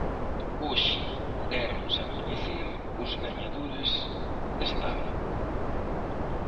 Hoxe déronse a coñecer os gañadores deste ano.